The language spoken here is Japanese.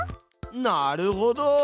なるほど！